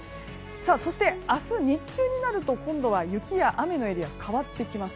そして明日、日中になると今度は雪や雨のエリアは変わってきます。